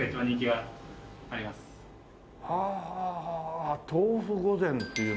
はあはあはあ「豆腐御膳」っていうのが。